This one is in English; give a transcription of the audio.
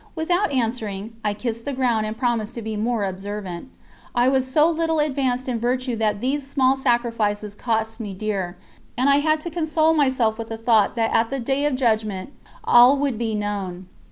Without answering, I kissed the ground and promised to be more observant. I was so little advanced in virtue that these small sacrifices cost me dear, and I had to console myself with the thought that at the day of Judgment all would be known.